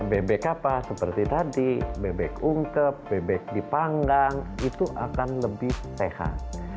bebek apa seperti tadi bebek ungkep bebek dipanggang itu akan lebih sehat